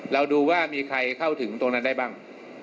แล้วดูว่าใครเขาถึงตรงนั้นได้บ้าง